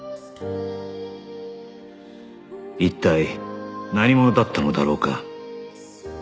一体何者だったのだろうか？